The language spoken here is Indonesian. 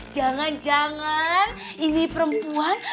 jangan jangan ini perempuan